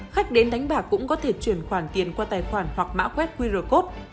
khách đến đánh bạc cũng có thể chuyển khoản tiền qua tài khoản hoặc mã quét qr code